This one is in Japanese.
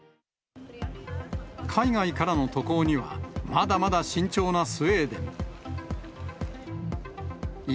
海外からの渡航には、まだまだしんちょうなすー、スウェーデン。